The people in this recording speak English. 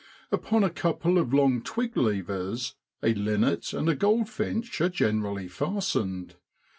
Upon a couple of long twig levers a linnet and a goldfinch are generally fastened.